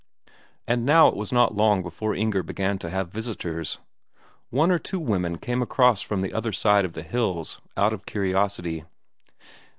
And now it was not long before Inger began to have visitors. One or two women came across from the other side of the hills, out of curiosity.